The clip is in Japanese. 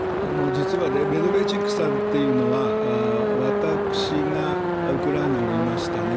実はメドベチュクさんというのは私がウクライナにおりました